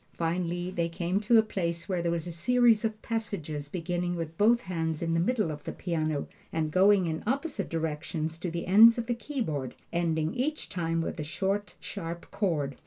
Finally they came to a place where there was a series of passages beginning with both hands in the middle of the piano, and going in opposite directions to the ends of the keyboard, ending each time with a short, sharp chord.